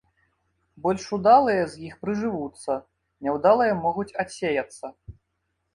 Больш удалыя з іх прыжывуцца, няўдалыя могуць адсеяцца.